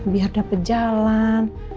biar dapet jalan